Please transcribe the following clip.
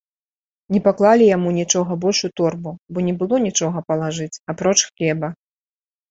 Не паклалі яму нічога больш у торбу, бо не было нічога палажыць, апроч хлеба.